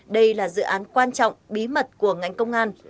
đây là dự án quan trọng bí mật của ngành công an